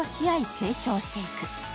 成長していく。